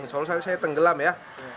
soalnya saya tenggelam ya